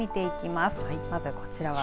まず、こちらは。